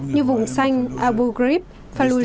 như vùng xanh abu ghrib fallujah